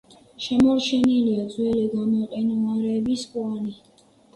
შემორჩენილია ძველი გამყინვარების კვალი.